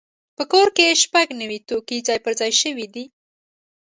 په کور کې شپږ نوي توکي ځای پر ځای شوي دي.